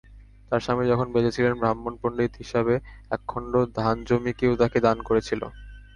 তাঁর স্বামী যখন বেঁচে ছিলেন, ব্রাহ্মণ-পণ্ডিত হিসাবে একখণ্ড ধানজমি কেউ তাঁকে দান করেছিল।